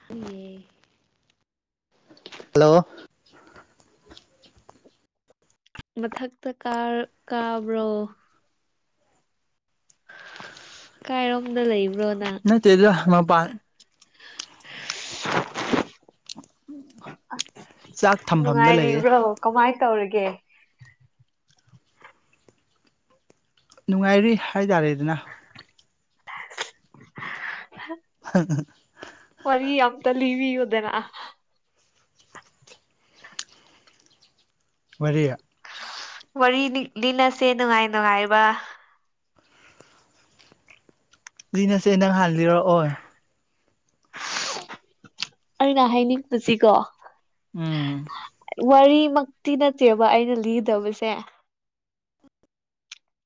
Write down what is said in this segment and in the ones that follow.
[inaudible] hello ꯃꯊꯛꯇ ꯀꯥ ꯀꯥꯕ꯭ꯔꯣ ꯀꯥꯏꯔꯣꯝꯗ ꯂꯩꯕ꯭ꯔꯣ ꯅꯪ ꯅꯠꯇꯦꯗ ꯃꯥꯄꯟ ꯆꯥꯛ ꯊꯝꯐꯝꯗ ꯂꯩꯌꯦ ꯅꯨꯡꯉꯥꯏꯔꯤꯕ꯭ꯔꯣ ꯀꯃꯥꯏꯅ ꯇꯧꯔꯤꯒꯦ ꯅꯨꯡꯉꯥꯏꯔꯤ ꯍꯥꯏꯇꯥꯔꯦꯗꯅ [inaudible] ꯍꯝ [unintelligible] ꯋꯥꯔꯤ ꯑꯃꯝꯇ ꯂꯤꯕꯤꯌꯨꯗꯅ ꯋꯥꯔꯤ ꯋꯥꯔꯤ ꯂꯤꯟꯅꯁꯦ ꯅꯨꯡꯉꯥꯏ ꯅꯨꯡꯉꯥꯏꯕ ꯂꯤꯅꯁꯦ ꯅꯪ ꯍꯥꯟꯅ ꯂꯤꯔꯛꯑꯣ ꯑꯩꯅ ꯍꯥꯏꯅꯤꯡꯕꯁꯤꯀꯣ ꯎꯝ ꯋꯥꯔꯤꯃꯛꯇꯤ ꯅꯠꯇꯦꯕ ꯑꯩꯅ ꯂꯤꯒꯗꯧꯕꯁꯦ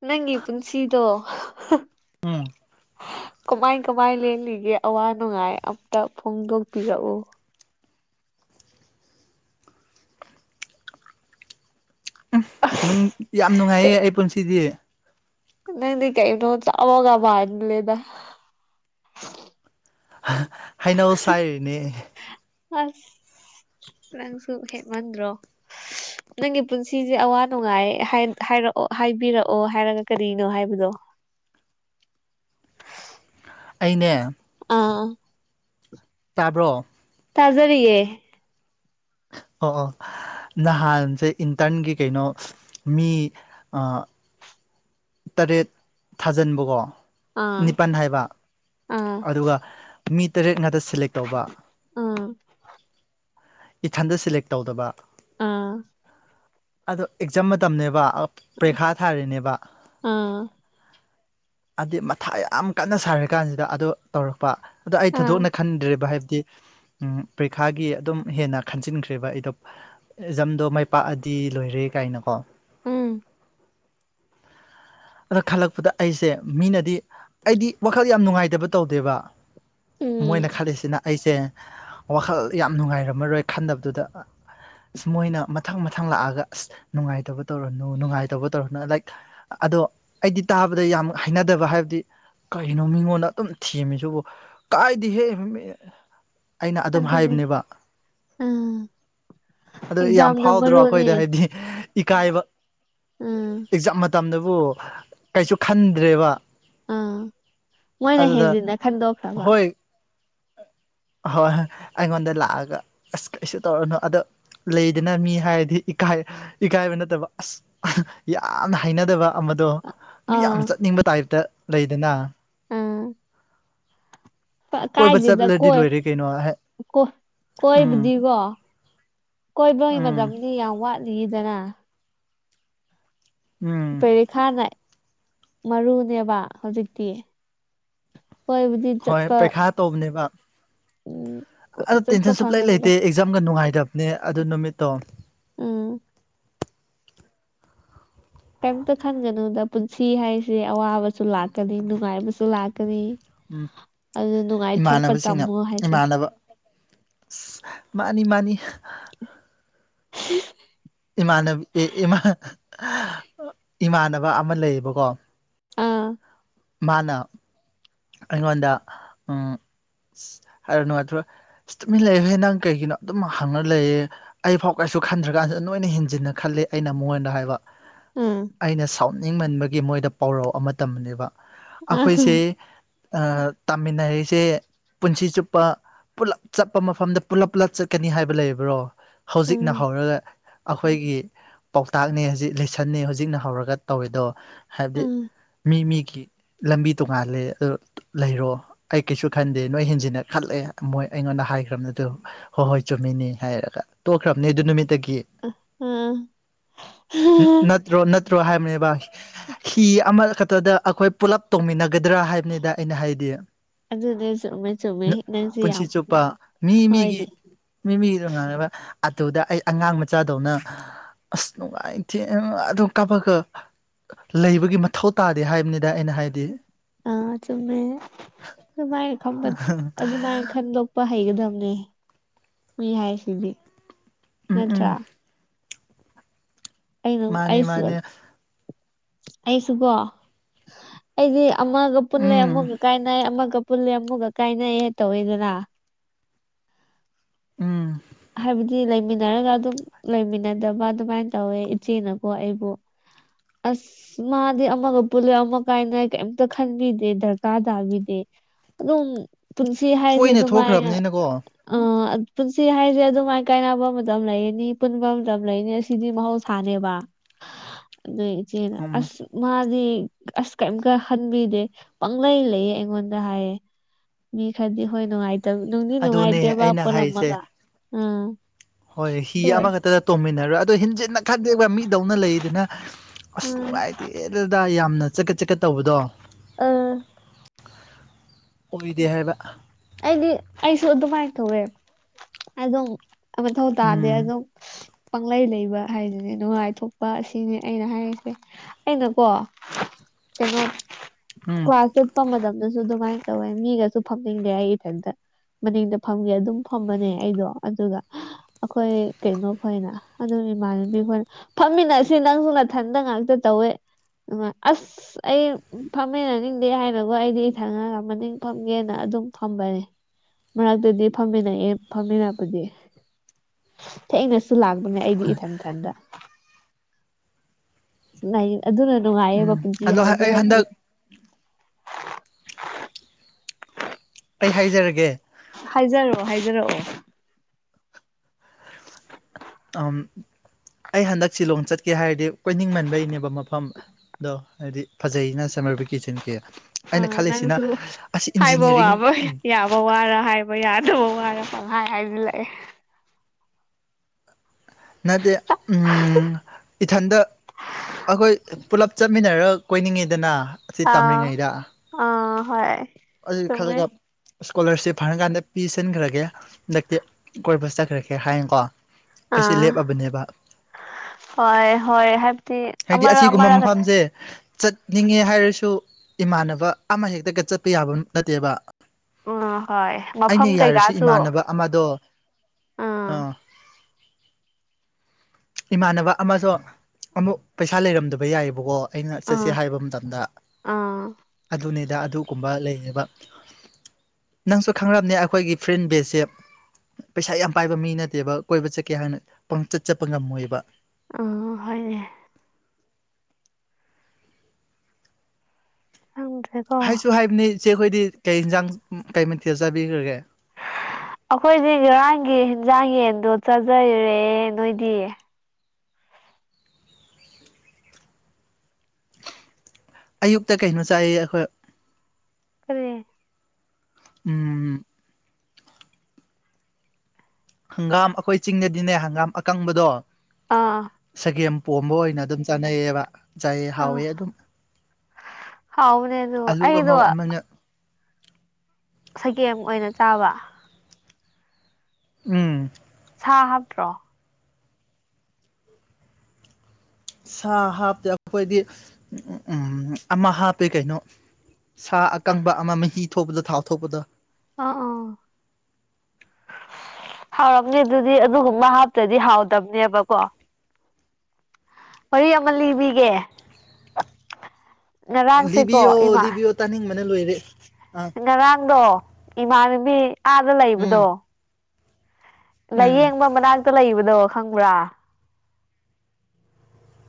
ꯅꯪꯒꯤ ꯄꯨꯟꯁꯤꯗꯣ ꯎꯝ ꯀꯃꯥꯏ ꯀꯃꯥꯏ ꯂꯦꯟꯂꯤꯒꯦ ꯑꯋꯥ ꯅꯨꯡꯉꯥꯏ ꯑꯝꯇ ꯐꯣꯡꯗꯣꯛꯄꯤꯔꯛꯑꯣ ꯅꯨꯡ ꯌꯥꯝ ꯅꯨꯡꯉꯥꯏꯌꯦ ꯑꯩ ꯄꯨꯟꯁꯤꯗꯤ ꯅꯪ ꯀꯩꯅꯣ ꯆꯥꯕꯒ ꯃꯥꯜꯂꯦꯗ ꯍꯩꯅꯧ ꯁꯥꯏꯔꯤꯅꯦ ꯑꯁ ꯅꯪꯁꯨ ꯍꯦꯟꯃꯥꯟꯗ꯭ꯔꯣ ꯅꯪꯒꯤ ꯄꯨꯟꯁꯤꯁꯦ ꯑꯋꯥ ꯅꯨꯡꯉꯥꯏ ꯍꯥꯏꯔꯛꯑꯣ ꯍꯥꯏꯕꯤꯔꯛꯑꯣ ꯍꯥꯏꯔꯒ ꯀꯔꯤꯅꯣ ꯍꯥꯏꯕꯗꯣ ꯑꯩꯅꯦ ꯑꯥ ꯇꯥꯕ꯭ꯔꯣ ꯇꯥꯖꯔꯤꯌꯦ ꯑꯣ ꯑꯣ ꯅꯍꯥꯟꯁꯦ ꯏꯟꯇꯔꯟꯒꯤ ꯀꯩꯅꯣ ꯃꯤ ꯇꯔꯦꯠ ꯊꯥꯖꯤꯟꯕꯀꯣ ꯑꯥ ꯅꯤꯄꯥꯜ ꯍꯥꯏꯕ ꯑꯥ ꯑꯗꯨꯒ ꯃꯤ ꯇꯔꯦꯠ ꯉꯥꯛꯇ ꯁꯦꯂꯦꯛ ꯇꯧꯕ ꯑꯥ ꯏꯊꯟꯗ ꯁꯦꯂꯦꯛ ꯇꯧꯗꯕ ꯑꯥ ꯑꯣ ꯑꯦꯛꯖꯥꯝ ꯃꯇꯝꯅꯤꯅꯦꯕ ꯄꯔꯤꯈꯥ ꯊꯥꯔꯤꯅꯦꯕ ꯑꯥ ꯍꯥꯏꯗꯤ ꯃꯊꯥ ꯌꯥꯝ ꯀꯟꯅ ꯁꯥꯔꯤ ꯀꯥꯟꯁꯤꯗ ꯑꯗꯣ ꯇꯧꯔꯛꯄ ꯑꯗꯣ ꯑꯩ ꯑꯥ ꯊꯣꯏꯗꯣꯛꯅ ꯈꯟꯗ꯭ꯔꯦꯕ ꯍꯥꯏꯕꯗꯤ ꯄ꯭ꯔꯤꯈꯥꯒꯤ ꯑꯗꯨꯝ ꯍꯦꯟꯅ ꯈꯟꯖꯤꯟꯈ꯭ꯔꯦꯕ ꯑꯩꯗꯣ ꯑꯦꯛꯖꯝꯗꯣ ꯃꯥꯏ ꯄꯥꯛꯑꯗꯤ ꯂꯣꯏꯔꯦ ꯀꯥꯏꯅꯀꯣ ꯎꯝ ꯑꯗꯣ ꯈꯜꯂꯛꯄꯗ ꯑꯩꯁꯦ ꯃꯤꯅꯗꯤ ꯑꯩꯗꯤ ꯋꯥꯈꯜ ꯌꯥꯝ ꯅꯨꯡꯉꯥꯏꯇꯕ ꯇꯧꯗꯦꯕ ꯎꯝ ꯃꯣꯏꯅ ꯈꯜꯂꯤꯁꯤꯅ ꯑꯩꯁꯦ ꯋꯥꯈꯜ ꯌꯥꯝ ꯅꯨꯡꯉꯥꯏꯔꯝꯃꯔꯣꯏ ꯈꯟꯗꯕꯗꯨꯗ ꯃꯣꯏꯅ ꯃꯊꯪ ꯃꯊꯪ ꯂꯥꯛꯑꯒ ꯑꯁ ꯅꯨꯡꯉꯥꯏꯇꯕ ꯇꯧꯔꯅꯨ ꯅꯨꯡꯉꯥꯏꯇꯕ ꯇꯧꯔꯅꯨ ꯂꯥꯏꯛ ꯑꯗꯣ ꯑꯩꯗꯤ ꯇꯥꯕꯗ ꯌꯥꯝ ꯍꯩꯅꯗꯕ ꯍꯥꯏꯕꯗꯤ ꯀꯩꯅꯣ ꯃꯤꯉꯣꯟꯗ ꯑꯗꯨꯝ ꯊꯦꯝꯃꯦꯁꯤꯕꯨ ꯀꯥꯏꯗꯤ ꯍꯦꯛ ꯑꯩꯅ ꯑꯗꯨꯝ ꯑꯗꯨꯅꯦ ꯍꯥꯏꯕꯅꯦꯕ ꯎꯝ ꯑꯗꯨ ꯌꯥꯝ ꯑꯦꯛꯖꯥꯝꯅ ꯐꯥꯎꯗ꯭ꯔꯣ ꯃꯔꯨꯅꯦ ꯑꯩꯈꯣꯏꯗ ꯍꯥꯏꯗꯤ ꯏꯀꯥꯏꯕ ꯎꯝ ꯑꯦꯛꯖꯥꯝ ꯃꯇꯝꯗ ꯕꯨ ꯀꯩꯁꯨ ꯈꯟꯗ꯭ꯔꯦꯕ ꯎꯝ ꯃꯣꯏꯅ ꯑꯗꯨꯗ ꯍꯦꯟꯖꯤꯟꯅ ꯈꯟꯗꯣꯛꯇꯕ ꯍꯣꯏ ꯍꯣꯏ ꯑꯩꯉꯣꯟꯗ ꯂꯥꯛꯑꯒ ꯑꯁ ꯀꯩꯁꯨ ꯇꯧꯔꯅꯨ ꯑꯗꯣ ꯂꯩꯗꯅ ꯃꯤ ꯍꯥꯏꯔꯗꯤ ꯏꯀꯥꯏ ꯏꯀꯥꯏꯕ ꯅꯠꯇꯕ ꯑꯁ ꯌꯥꯝꯅ ꯍꯩꯅꯗꯕ ꯑꯃꯗꯣ ꯃꯤ ꯌꯥꯝ ꯑꯥ ꯆꯠꯅꯤꯡꯕ ꯇꯥꯏꯞꯇ ꯂꯩꯗꯅ ꯎꯝ ꯀꯣꯏꯕ ꯀꯥꯏꯗꯦꯗ ꯆꯠꯂꯗꯤ ꯀꯣꯏ ꯂꯣꯏꯔꯦ ꯀꯩꯅꯣ ꯎꯝ ꯀꯣꯏꯕꯨꯗꯤꯀꯣ ꯀꯣꯏꯕꯒꯤ ꯎꯝ ꯃꯇꯝꯅꯤꯅꯤ ꯌꯥꯝ ꯋꯥꯠꯂꯤꯗꯅ ꯎꯝ ꯄꯦꯔꯤꯈꯥꯅ ꯃꯔꯨꯅꯦꯕ ꯍꯧꯖꯤꯛꯇꯤ ꯀꯣꯏꯕꯨꯗꯤ ꯍꯣꯏ ꯆꯠꯄ ꯄꯔꯤꯈꯥ ꯇꯧꯕꯅꯦꯕ ꯎꯝ ꯑꯗꯣ ꯆꯠꯄ ꯇꯦꯟꯁꯟ ꯁꯨꯂꯩ ꯐꯪꯒꯅꯤꯗ ꯂꯩꯇꯦ ꯑꯦꯖꯝꯒ ꯅꯨꯡꯉꯥꯏꯇꯕꯅꯦ ꯑꯗꯨ ꯅꯨꯃꯤꯠꯇꯣ ꯎꯝ ꯀꯔꯤꯝꯇ ꯈꯟꯒꯅꯨꯗ ꯄꯨꯟꯁꯤ ꯍꯥꯏꯁꯦ ꯑꯋꯥꯕꯁꯨ ꯂꯥꯛꯀꯅꯤ ꯅꯨꯡꯉꯥꯏꯕꯁꯨ ꯂꯥꯛꯀꯅꯤ ꯎꯝ ꯑꯗꯨ ꯅꯨꯡꯉꯥꯏꯊꯣꯛꯄ ꯏꯃꯥꯟꯅꯕꯁꯤꯡꯅ ꯇꯝꯃꯣ ꯍꯥꯏꯁꯦ ꯏꯃꯥꯟꯅꯕ ꯑꯁ ꯃꯥꯅꯤ ꯃꯥꯅꯤ [unintelligible] ꯏꯃꯥꯟ ꯢꯃꯥꯟꯟ ꯏꯃꯥꯟꯅꯕ ꯑꯃ ꯂꯩꯌꯦꯕꯀꯣ ꯑꯥ ꯃꯥꯅ ꯑꯩꯉꯣꯟꯗ [inaudible] ꯇꯨꯃꯤꯟꯅ ꯂꯩ ꯍꯣꯏ ꯅꯪ ꯀꯩꯒꯤꯅꯣ ꯑꯗꯨꯝ ꯍꯪꯒ ꯂꯩꯌꯦ ꯑꯩꯐꯥꯎ ꯀꯥꯏꯁꯨ ꯈꯟꯗ꯭ꯔꯀꯥꯟꯁꯤꯗ ꯅꯣꯏꯅ ꯍꯦꯟꯖꯤꯟꯅ ꯈꯜꯂꯤ ꯑꯩꯅ ꯃꯉꯣꯟꯗ ꯍꯥꯏꯕ ꯎꯝ ꯑꯩꯅ ꯁꯥꯎꯅꯤꯡꯃꯟꯕꯒꯤ ꯃꯣꯏꯗ ꯄꯥꯎꯔꯧ ꯑꯃ ꯇꯝꯅꯦꯕ ꯑꯩꯈꯣꯏꯁꯦ ꯇꯥꯃꯤꯟꯅꯔꯤꯁꯦ ꯄꯨꯟꯁꯤ ꯆꯨꯞꯄ ꯄꯨꯜꯂꯞ ꯆꯠꯄ ꯃꯐꯝꯗ ꯄꯨꯂꯞ ꯄꯨꯂꯞ ꯆꯠꯀꯅꯤ ꯍꯥꯏꯕ ꯂꯩꯕ꯭ꯔꯣ ꯍꯧꯖꯤꯛꯅ ꯎꯝ ꯍꯧꯔꯒ ꯑꯩꯈꯣꯏꯒꯤ ꯄꯥꯎꯇꯥꯛꯅꯦ ꯍꯧꯖꯤꯛ ꯂꯩꯁꯟꯅꯦ ꯍꯧꯖꯤꯛꯅ ꯍꯧꯔꯒ ꯇꯧꯋꯤꯗꯣ ꯍꯥꯏꯕꯗꯤ ꯎꯝ ꯃꯤ ꯃꯤꯒꯤ ꯂꯝꯕꯤ ꯇꯣꯡꯉꯥꯜ ꯑꯗꯣ ꯂꯩꯔꯣ ꯑꯩ ꯀꯩꯁꯨ ꯈꯟꯗꯦ ꯅꯣꯏ ꯍꯦꯟꯖꯤꯟꯅ ꯈꯜꯂꯦ ꯃꯣꯏ ꯑꯩꯉꯣꯟꯗ ꯍꯥꯏꯈ꯭ꯔꯕꯅꯤ ꯑꯗꯨ ꯍꯣꯏ ꯍꯣꯏ ꯆꯨꯝꯃꯤꯅꯤ ꯍꯥꯏꯔꯒ ꯇꯣꯛꯈ꯭ꯔꯕꯅꯦ ꯑꯗꯨ ꯅꯨꯃꯤꯠꯇꯒꯤ ꯎꯝ ꯅꯠꯇ꯭ꯔꯣ ꯅꯠ ꯇ꯭ꯔꯣ ꯍꯥꯏꯕꯅꯦꯕ ꯍꯤ ꯑꯃꯈꯛꯇꯗ ꯑꯩꯈꯣꯏ ꯄꯨꯜꯂꯞ ꯇꯧꯃꯤꯟꯅꯒꯗ꯭ꯔꯥ ꯍꯥꯏꯕꯅꯤꯗ ꯑꯩꯅ ꯍꯥꯏꯗꯤ ꯑꯗꯨꯅꯦ ꯆꯨꯝꯃꯦ ꯆꯨꯝꯃꯦ ꯅꯪꯁꯦ ꯌꯥꯝ ꯄꯨꯟꯁꯤ ꯆꯨꯞꯄ ꯃꯤ ꯃꯤꯒꯤ ꯍꯣꯏꯅꯦ ꯃꯤꯃꯤꯒꯤ ꯇꯣꯛꯉꯥꯟꯂꯦꯕ ꯑꯗꯨꯗ ꯑꯩ ꯑꯉꯥꯡ ꯃꯆꯥꯗꯧꯅ ꯑꯁ ꯅꯨꯡꯉꯥꯏꯇꯦ ꯑꯗꯨ ꯀꯥꯞꯄꯒ ꯂꯩꯕꯒꯤ ꯃꯊꯧ ꯇꯥꯗꯦ ꯍꯥꯏꯕꯅꯤ ꯗ ꯑꯩꯅ ꯍꯥꯏꯗꯤ ꯑ ꯆꯨꯝꯃꯦ ꯑꯗꯨꯃꯥꯏꯅ ꯈꯕ ꯑꯗꯨꯃꯥꯏꯅ ꯈꯟꯗꯣꯛ ꯄ ꯍꯩꯒꯗꯕꯅꯦ ꯃꯤ ꯍꯥꯏꯁꯤꯗꯤ ꯎꯝ ꯎꯝ ꯅꯠꯇ꯭ꯔꯥ ꯑꯩꯅ ꯃꯥꯅꯦ ꯑꯩꯁꯨ ꯃꯥꯅꯦ ꯑꯩꯁꯨ ꯀꯣ ꯑꯩꯗꯤ ꯑꯃꯒ ꯄꯨꯜꯂꯦ ꯎꯝ ꯑꯃꯨꯛꯒ ꯀꯥꯏꯅꯩ ꯑꯃꯒ ꯄꯨꯜꯂꯦ ꯑꯃꯨꯛꯒ ꯀꯥꯏꯅꯩ ꯇꯧꯋꯤꯗꯅ ꯎꯝ ꯍꯥꯏꯕꯗꯤ ꯂꯩꯃꯤꯟꯅꯔꯒ ꯑꯗꯨꯝ ꯂꯩꯃꯤꯟꯅꯗꯕ ꯑꯗꯨꯃꯥꯏꯅ ꯇꯧꯋꯦ ꯏꯆꯦꯅꯀꯣ ꯑꯩꯕꯨ ꯑꯁ ꯃꯥꯗꯤ ꯑꯃꯒ ꯄꯨꯜꯂꯦ ꯑꯃ ꯀꯥꯏꯅ ꯀꯩꯝꯇ ꯈꯟꯕꯤꯗꯦ ꯗꯔꯀꯥꯔ ꯇꯥꯕꯤꯗꯦ ꯑꯗꯨꯝ ꯄꯨꯟꯁꯤ ꯍꯥꯏꯁꯦ ꯇꯣꯏꯅ ꯑꯗꯨꯃꯥꯏꯅ ꯊꯣꯛꯈ꯭ꯔꯕꯅꯤꯅꯀꯣ ꯑ ꯄꯨꯟꯁꯤ ꯍꯥꯏꯁ ꯁꯦ ꯑꯗꯨꯃꯥꯏꯅ ꯀꯥꯏꯅꯕ ꯃꯇꯝ ꯂꯩꯅꯤ ꯄꯨꯟꯕ ꯃꯇꯝ ꯂꯩꯅꯤ ꯑꯁꯤꯗꯤ ꯃꯍꯧꯁꯥꯅꯦꯕ ꯑꯗꯨ ꯢꯆꯦꯅ ꯎꯝ ꯑꯁ ꯃꯥꯗꯤ ꯑꯁ ꯀꯔꯤꯝꯀ ꯈꯟꯕꯤꯗꯦ ꯄꯪꯂꯩ ꯂꯩꯌꯦ ꯑꯩꯉꯣꯟꯗ ꯍꯥꯏꯌꯦ ꯃꯤ ꯈꯔꯗꯤ ꯍꯣꯏ ꯅꯨꯡꯉꯥꯏꯇꯕ ꯅꯨꯡꯗꯤ ꯑꯗꯨꯅꯦ ꯅꯨꯡꯉꯥꯏꯇꯦꯕ ꯑꯩꯅ ꯍꯥꯏꯔꯤꯁꯦ ꯄꯣꯂꯝꯃꯒ ꯑꯥ ꯍꯣꯏ ꯍꯤ ꯑꯃꯈꯛꯇꯗ ꯇꯣꯡꯃꯤꯟꯅꯔꯣꯏ ꯑꯗꯣ ꯍꯦꯟꯖꯤꯟꯅ ꯈꯟꯗꯦꯕ ꯃꯤꯗꯧꯅ ꯂꯩꯗꯅ ꯑꯁ ꯎꯝ ꯅꯨꯡꯉꯥꯏꯇꯦ ꯑꯦ ꯑꯗꯨꯗꯥ ꯌꯥꯝꯅ ꯆꯠꯀꯠ ꯆꯠꯀꯠ ꯇꯧꯕꯗꯣ ꯑꯥ ꯑꯣꯏꯗꯦ ꯍꯥꯏꯕ ꯑꯩꯗꯤ ꯑꯩꯁꯨ ꯑꯗꯨꯃꯥꯏꯅ ꯇꯧꯑꯦ ꯑꯗꯨꯝ ꯃꯊꯧ ꯇꯥꯗꯦ ꯎꯝ ꯑꯗꯨꯝ ꯄꯪꯂꯩ ꯂꯩꯕ ꯍꯥꯏꯁꯤꯅꯦ ꯅꯨꯡꯉꯥꯏꯊꯣꯛꯄ ꯑꯁꯤꯅꯤ ꯑꯩꯅ ꯍꯥꯏꯔꯤꯁꯦ ꯑꯩꯅꯀꯣ ꯀꯩꯅꯣ ꯎꯝ ꯀ꯭ꯂꯥꯁ ꯆꯠꯄ ꯃꯇꯝꯗꯁꯨ ꯑꯗꯨꯃꯥꯏꯅ ꯇꯧꯋꯦ ꯃꯤꯒꯁꯨ ꯐꯝꯅꯤꯡꯗꯦ ꯑꯩ ꯏꯊꯟꯇ ꯃꯅꯤꯡꯗ ꯐꯝꯒꯦ ꯑꯗꯨꯝ ꯐꯝꯕꯅꯦ ꯑꯩꯗꯣ ꯑꯗꯨꯒ ꯑꯩꯈꯣꯏ ꯀꯩꯅꯣꯈꯣꯏꯅ ꯑꯗꯨ ꯏꯃꯥꯟꯅꯕꯤ ꯈꯣꯏꯅ ꯐꯝꯃꯤꯟꯅꯁꯦ ꯅꯪꯁꯨ ꯅꯊꯟꯗ ꯉꯥꯛꯇ ꯇꯧꯋꯦ ꯅꯨꯡꯉꯥꯏ ꯑꯁ ꯑꯩ ꯐꯝꯃꯤꯟꯅ ꯅꯤꯡꯗꯦ ꯍꯥꯏꯕꯒꯣ ꯑꯩꯗꯤ ꯢꯊꯥꯟꯅꯗ ꯃꯅꯤꯡ ꯐꯝꯒꯦꯅ ꯑꯗꯨꯝ ꯐꯝꯕꯅꯦ ꯃꯔꯛꯇꯗꯤ ꯐꯝꯃꯤꯟꯅꯩ ꯐꯝꯃꯤꯟꯅꯄꯗꯤ ꯊꯦꯡꯅꯁꯨ ꯂꯥꯛꯄꯅꯦ ꯑꯩꯗꯤ ꯏꯊꯟ ꯏꯊꯟꯗ ꯑꯗꯨꯅ ꯎꯝ ꯅꯨꯡꯉꯥꯏꯌꯦꯕ ꯄꯨꯟꯁꯤ ꯑꯗꯣ ꯍꯥꯏꯁꯦ ꯑꯩ ꯍꯥꯏꯕꯗꯤ ꯍꯟꯗꯛ ꯑꯩ ꯍꯥꯏꯖꯔꯒꯦ ꯍꯥꯏꯖꯔꯛꯑꯣ ꯍꯥꯏꯖꯔꯛꯑꯣ ꯑꯩ ꯍꯟꯗꯛ ꯁꯤꯂꯣꯡ ꯆꯠꯀꯦ ꯍꯥꯏꯔꯗꯤ ꯀꯣꯏꯅꯤꯡꯃꯟꯕꯩꯅꯦꯕ ꯃꯐꯝ ꯑꯗꯣ ꯍꯥꯏꯗꯤ ꯐꯖꯩꯅ ꯁꯝꯃꯔ ꯚꯦꯀꯦꯁꯟꯒꯤ ꯑꯩꯅ ꯑꯥ ꯈꯜꯂꯤꯁꯤꯅ ꯅꯪꯁꯨ ꯑꯁꯤ ꯍꯥꯏꯕ ꯏꯟꯖꯤꯅꯤꯌꯥꯔꯤꯡ ꯋꯥꯕ ꯌꯥꯕ ꯋꯥꯔ ꯍꯥꯏꯕ ꯌꯥꯗꯕ ꯋꯥꯔ ꯄꯈꯥꯏ ꯍꯥꯏꯖꯤꯜꯂꯛꯑꯦ ꯅꯠꯇꯦ ꯑꯝ ꯏꯊꯟꯇ ꯑꯩꯈꯣꯏ ꯄꯨꯂꯞ ꯆꯠꯃꯤꯟꯅꯔ ꯀꯣꯏꯅꯤꯡꯉꯤꯗꯅ ꯑꯁꯤ ꯑꯥ ꯑꯥ ꯍꯣꯢ ꯑꯗꯨꯒꯤ ꯈꯥꯜꯂꯒ ꯏꯁꯀꯣꯂꯥꯔꯁꯤꯞ ꯐꯪꯉ ꯀꯥꯟꯗ ꯄꯤꯁꯟꯈ꯭ꯔꯒꯦ ꯍꯟꯗꯛꯇꯤ ꯀꯣꯏꯕ ꯆꯠꯈ꯭ꯔꯒꯦ ꯍꯥꯏꯅꯀꯣ ꯑꯩꯁꯦ ꯑꯥ ꯂꯦꯞꯄꯕꯅꯦꯕ ꯍꯣꯏ ꯍꯣꯏ ꯍꯥꯏꯕꯗꯤ ꯍꯥꯏꯗꯤ ꯑꯃꯔꯛ ꯑꯁꯤꯒꯨꯝꯕ ꯑꯃꯔꯛ ꯈꯛꯇ ꯃꯐꯝꯁꯦ ꯆꯠꯅꯤꯡꯉꯦ ꯍꯥꯏꯔꯁꯨ ꯏꯃꯥꯟꯅꯕ ꯑꯃꯍꯦꯛꯇꯒ ꯆꯠꯄ ꯌꯥꯕ ꯅꯠꯇꯦꯕ ꯑꯥ ꯍꯣꯏ ꯑꯩꯅ ꯃꯐꯝ ꯌꯥꯔꯁꯨ ꯀꯩꯀꯥꯁꯨ ꯏꯃꯥꯟꯅꯕ ꯑꯃꯗꯣ ꯑꯥ ꯏꯃꯥꯟꯅꯕ ꯑꯃꯁꯨ ꯑꯃꯨꯛ ꯄꯩꯁꯥ ꯂꯩꯔꯝꯗꯕ ꯌꯥꯏꯑꯦꯕꯀꯣ ꯑꯩꯅ ꯆꯠꯁꯦ ꯑꯥ ꯍꯥꯏꯕ ꯃꯇꯝꯗ ꯑꯥ ꯑꯗꯨꯅꯦꯗ ꯑꯗꯨꯒꯨꯝꯕ ꯂꯩꯌꯦꯕ ꯅꯪꯁꯨ ꯈꯪꯔꯝꯅꯤ ꯑꯩꯈꯣꯏꯒꯤ ꯐ꯭ꯔꯦꯟ ꯕꯦꯁꯁꯦ ꯄꯩꯁꯥ ꯌꯥꯝ ꯄꯥꯏꯕ ꯃꯤ ꯅꯠꯇꯦꯕ ꯀꯣꯏꯕ ꯆꯠꯀꯦ ꯍꯥꯏꯅ ꯄꯪꯆꯠ ꯆꯠꯄ ꯉꯝꯃꯣꯏꯕ ꯑꯣ ꯍꯣꯢꯅꯦ ꯈꯪꯗ꯭ꯔꯦ ꯍꯥꯏꯁꯨ ꯍꯥꯏꯕꯅꯤ ꯏꯆꯦ ꯈꯣꯏꯗꯤ ꯀꯩ ꯏꯟꯁꯥꯡ ꯀꯩ ꯃꯊꯦꯜ ꯆꯥꯕꯤꯈ꯭ꯔꯒꯦ ꯑꯩꯈꯣꯏꯗꯤ ꯉꯔꯥꯡꯒꯤ ꯍꯦꯟꯖꯥꯡ ꯌꯦꯟꯗꯣ ꯆꯥꯖꯔꯦ ꯅꯣꯏꯗꯤ ꯑꯌꯨꯛꯇ ꯀꯩꯅꯣ ꯆꯥꯏꯌꯦ ꯑꯩꯈꯣꯏ ꯀꯔꯤ ꯎꯝ ꯍꯪꯒꯥꯝ ꯑꯩꯈꯣꯏ ꯆꯤꯡꯗꯗꯤꯅꯦ ꯍꯪꯒꯥꯝ ꯑꯀꯪꯕꯗꯣ ꯑꯥ ꯆꯒꯦꯝ ꯄꯣꯝꯕ ꯑꯣꯏꯅ ꯑꯗꯨꯝ ꯆꯥꯅꯩꯌꯦꯕ ꯆꯥꯏꯌꯦ ꯍꯥꯎꯋꯦ ꯑꯥ ꯑꯗꯨꯝ ꯍꯥꯎꯕꯅꯦ ꯑꯗꯣ ꯑꯂꯨ ꯑꯩꯗꯣ ꯀꯥꯡꯉꯥꯎ ꯑꯃꯅꯦ ꯆꯒꯦꯝ ꯑꯣꯏꯅ ꯆꯥꯕ ꯎꯝ ꯁꯥ ꯍꯥꯞꯇ꯭ꯔꯣ ꯁꯥ ꯍꯥꯞꯇꯦ ꯑꯩꯈꯣꯏꯗꯤ ꯎꯝ ꯑꯃ ꯍꯥꯞꯄꯦ ꯀꯩꯅꯣ ꯁꯥ ꯑꯀꯪꯕ ꯑꯃ ꯃꯍꯤ ꯊꯣꯛꯄꯗ ꯊꯥꯎ ꯊꯣꯛꯄꯗꯣ ꯑꯣ ꯑꯣ ꯍꯥꯎꯔꯝꯅꯦ ꯑꯗꯨꯗꯤ ꯑꯗꯨꯒꯨꯝꯕ ꯍꯥꯞꯇ꯭ꯔꯗꯤ ꯍꯥꯎꯇꯕꯅꯦꯕꯀꯣ ꯋꯥꯔꯤ ꯑꯃ ꯂꯤꯕꯤꯒꯦ ꯉꯔꯥꯡꯁꯦꯀꯣ ꯂꯤꯕꯤꯌꯣ ꯏꯃꯥ ꯂꯤꯕꯤꯌꯣ ꯇꯥꯅꯤꯡꯕꯅ ꯂꯣꯏꯔꯦ ꯑ ꯉꯔꯥꯡꯗꯣ ꯏꯃꯥꯟꯅꯕꯤ ꯑꯥꯗ ꯂꯩꯕꯗꯣ ꯎꯝ ꯎꯝ ꯂꯥꯌꯦꯡꯕ ꯃꯅꯥꯛꯇ ꯂꯩꯕꯗꯣ ꯈꯪꯕ꯭ꯔꯥ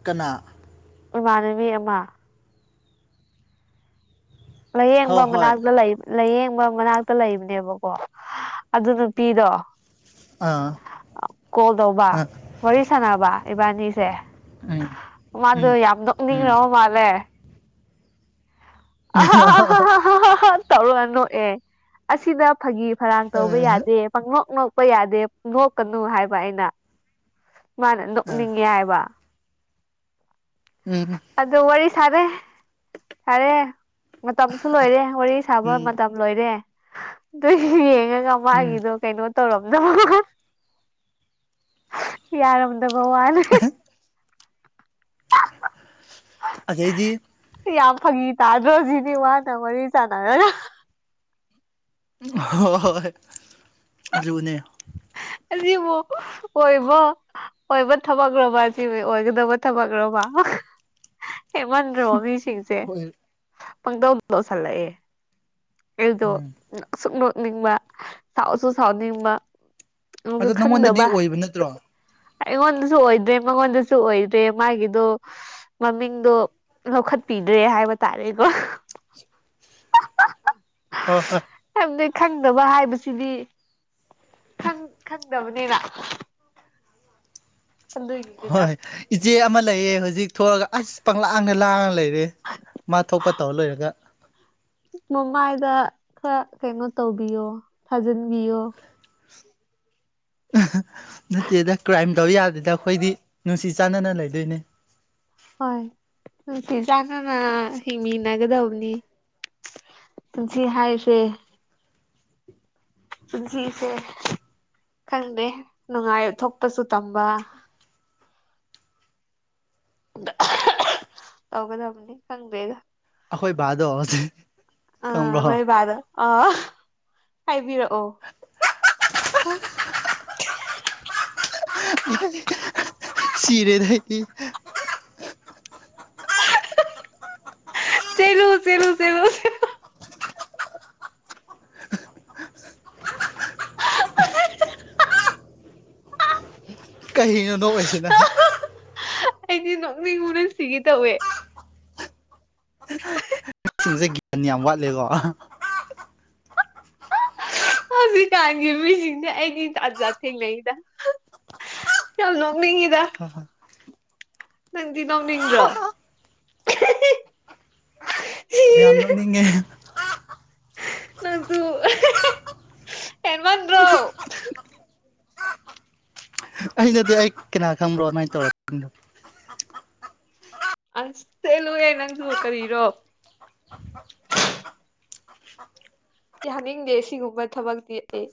ꯀꯅꯥ ꯏꯃꯥꯟꯅꯕꯤ ꯑꯃ ꯂꯥꯏꯌꯦꯡꯕ ꯍꯣꯏ ꯍꯣꯏ ꯃꯅꯥꯛꯇ ꯂꯩꯕ ꯂꯥꯏꯌꯦꯡꯕ ꯃꯅꯥꯛꯇ ꯂꯩꯕꯅꯦꯕꯀꯣ ꯑꯗꯨ ꯅꯨꯄꯤꯗꯣ ꯑꯥ ꯀꯣꯜ ꯇꯧꯕ ꯑꯥ ꯋꯥꯔꯤ ꯁꯥꯟꯅꯕ ꯏꯕꯥꯅꯤꯁꯦ ꯑꯝ ꯃꯥꯗꯨ ꯌꯥꯝ ꯅꯣꯛꯅꯤꯡꯔꯕꯥ ꯃꯥꯂꯦ ꯑ ꯍꯥ ꯍꯥ ꯍꯥ ꯍꯥ ꯍꯥ ꯍꯥ ꯇꯧꯔꯒ ꯅꯣꯛꯑꯦ ꯑꯁꯤꯗ ꯐꯥꯒꯤ ꯐꯔꯥꯡ ꯇꯧꯕ ꯌꯥꯗꯦ ꯄꯪꯅꯣꯛ ꯅꯣꯛꯄ ꯌꯥꯗꯦ ꯅꯣꯛꯀꯅꯨ ꯍꯥꯏꯕ ꯑꯩꯅ ꯃꯥꯅ ꯑ ꯅꯣꯛꯅꯤꯡꯉꯦ ꯍꯥꯏꯕ ꯎꯝ ꯑꯗꯨ ꯋꯥꯔꯤ ꯁꯥꯔꯦ ꯁꯥꯔꯦ ꯃꯇꯝꯁꯨ ꯂꯣꯏꯔꯦ ꯋꯥꯔꯤ ꯁꯥꯕ ꯎꯝ ꯃꯇꯝ ꯂꯣꯏꯔꯦ ꯑꯗꯨ ꯌꯦꯡꯉꯒ ꯎꯝ ꯃꯥꯒꯤꯗꯣ ꯀꯩꯅꯣ ꯇꯧꯔꯝꯗꯕ ꯌꯥꯔꯝꯗꯕ ꯋꯥꯅꯦ ꯑꯗꯩꯗꯤ ꯌꯥꯝ ꯐꯥꯒꯤ ꯇꯥꯗ꯭ꯔꯣ ꯑꯗꯨꯗꯤ ꯋꯥꯅ ꯃꯔꯤ ꯆꯥꯟꯅꯔꯒ ꯍꯣꯏ ꯍꯣꯏ ꯑꯗꯨꯅꯦ [unintelligible] ꯑꯣꯏꯕꯣ ꯑꯣꯏꯕ ꯊꯕꯛꯂꯣꯕ ꯑꯁꯤꯕꯨ ꯑꯣꯏꯒꯗꯕ ꯊꯕꯛꯂꯣꯕ ꯍꯦꯟꯃꯟꯗ꯭ꯔꯣ ꯃꯤꯁꯤꯡꯁꯦ ꯍꯣꯏ ꯄꯪꯇꯧ ꯇꯧꯁꯜꯂꯛꯑꯦ ꯑꯩꯗꯣ ꯎꯝ ꯅꯣꯛ ꯁꯨ ꯅꯣꯛꯅꯤꯡꯕ ꯁꯥꯎꯁꯨ ꯁꯥꯎꯅꯤꯡꯕ ꯑꯃꯨꯛꯁꯨ ꯑꯗꯣ ꯅꯪꯉꯣꯟꯗꯗꯤ ꯈꯟꯗꯕ ꯑꯣꯏꯕ ꯅꯠꯇ꯭ꯔꯣ ꯑꯩꯉꯣꯟꯗꯁꯨ ꯑꯣꯏꯗ꯭ꯔꯦ ꯃꯉꯣꯟꯗꯁꯨ ꯑꯣꯏꯗ꯭ꯔꯦ ꯃꯥꯒꯤꯗꯣ ꯃꯃꯤꯡꯗꯣ ꯂꯧꯈꯠꯄꯤꯗ꯭ꯔꯦ ꯍꯥꯏꯕ ꯇꯥꯔꯦꯀꯣ [inaudible] ꯍꯣꯏ ꯍꯣꯏ ꯌꯥꯝ ꯅ ꯈꯪꯗꯕ ꯍꯥꯏꯕꯁꯤꯗꯤ ꯈꯪ ꯈꯪꯗꯕꯅꯤꯅ ꯑꯗꯨꯒꯤꯅꯤꯗ ꯍꯣꯏ ꯏꯆꯦ ꯑꯃ ꯂꯩꯌꯦ ꯍꯧꯖꯤꯛ ꯊꯣꯛꯂꯒ ꯑꯁ ꯄꯪꯂꯪꯂꯥꯡꯅ ꯂꯥꯡꯅ ꯂꯩ ꯑꯦ ꯃꯥ ꯊꯣꯛꯄ ꯇꯧꯔ ꯂꯩꯔꯒ ꯃꯃꯥꯏꯗ ꯈꯔ ꯀꯩꯅꯣ ꯇꯧꯕꯤꯌꯣ ꯊꯥꯖꯤꯟꯕꯤꯌꯣ ꯅꯠꯇꯦꯗ ꯀ꯭ꯔꯥꯏꯝ ꯇꯧ ꯌꯥꯗꯦꯗ ꯑꯩꯈꯣꯏꯗꯤ ꯅꯨꯡꯁꯤ ꯆꯥꯟꯅꯅ ꯂꯩꯗꯣꯏꯅꯦ ꯍꯣꯏ ꯅꯨꯡꯁꯤ ꯆꯥꯟꯅꯅ ꯍꯤꯡꯃꯤꯟꯅꯒꯗꯕꯅꯤ ꯄꯨꯟꯁꯤ ꯍꯥꯏꯁꯦ ꯄꯨꯟꯁꯤꯁꯦ ꯈꯪꯗꯦ ꯅꯨꯡꯉꯥꯏꯕ ꯊꯣꯛꯄꯁꯨ ꯇꯝꯕ [unintelligible] ꯇꯧꯒꯗꯕꯅꯤ ꯈꯪꯕꯦꯗ ꯑꯩꯈꯣꯏ ꯕꯥꯗꯣ ꯀꯪꯕ꯭ꯔꯣ ꯑꯥ ꯍꯥꯏꯕꯤꯔꯛꯑꯣ [unintelligible] ꯁꯦꯔꯦꯗ ꯑꯩꯗꯤ ꯆꯦꯂꯨ ꯆꯦꯂꯨ ꯆꯦꯂꯨ ꯀꯔꯤꯅꯣ ꯅꯣ ꯑꯣꯏꯁꯤꯅ ꯑꯩꯗꯤ ꯅꯣꯛꯅꯤꯡꯕꯅ ꯁꯤꯒꯦ ꯇꯧꯋꯦ ꯁꯤꯡꯁꯦ [unintelligible] ꯌꯥꯝ ꯋꯥꯠꯂꯦꯀꯣ ꯍꯧꯖꯤꯛꯀꯥꯟꯒꯤ ꯃꯤꯁꯤꯡꯁꯦ ꯑꯩꯒꯤ ꯖꯥꯠ ꯖꯥꯠ ꯊꯦꯡꯅꯩꯗ ꯌꯥꯝ ꯅꯣꯛꯅꯤꯛꯉꯤꯗ ꯍꯣꯏ ꯍꯣꯏ ꯅꯪꯗꯤ ꯅꯣꯛꯅꯤꯡ꯭ꯗꯔꯣ [unintelligible] ꯍ ꯌꯥꯝ ꯅꯣꯛꯅꯤꯡꯉꯦ ꯅꯪꯖꯨ ꯍꯦꯟꯃꯟ ꯗꯔꯣ ꯑꯩꯅꯗꯤ ꯑꯩ ꯀꯅꯥ ꯈꯪꯕ꯭ꯔꯣ ꯑꯗꯨꯃꯥꯏꯅ ꯇꯧꯔ [inaudible] ꯑꯁ ꯆꯦꯜꯂꯨ ꯍꯦ ꯅꯪꯁꯨ ꯀꯔꯤꯔꯣ ꯌꯥꯅꯤꯡꯗꯦ ꯁꯤꯒꯨꯝꯕ ꯊꯕꯛꯇꯤ ꯑꯩ